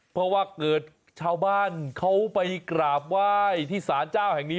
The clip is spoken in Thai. เพราะว่าเกิดชาวบ้านเขาไปกราบไหว้ที่สารเจ้าแห่งนี้